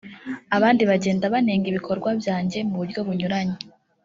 abandi bagenda banenga ibikorwa byanjye mu buryo bunyuranye